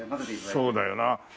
そうだよな。